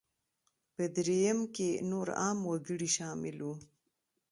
په درېیم کې نور عام وګړي شامل وو.